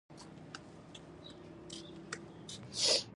ساموني متل وایي لرې څانګې لومړی راټولې کړئ.